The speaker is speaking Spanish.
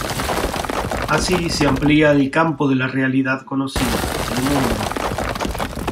Así se amplía el campo de la realidad conocida, el mundo.